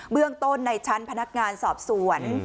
เรื่องต้นในชั้นพนักงานสอบสวน